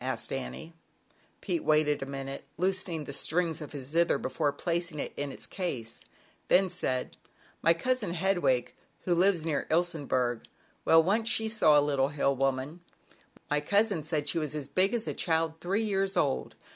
asked Pete waited a minute, loosening the strings of his zither before placing it o r It \5 in its case, then said: /I * *?r "My cousin Hedwig, who lives near Ilsenburg, well, once she saw a Little ^D \ Hill Woman, my cousin said she w; ' t j big as a child three years old.